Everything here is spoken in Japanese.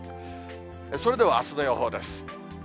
それではあすの予報です。